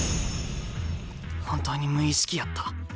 本当に無意識やった。